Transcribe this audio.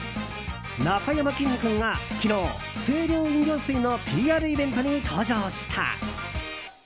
なかやまきんに君が昨日、清涼飲料水のＰＲイベントに登場した。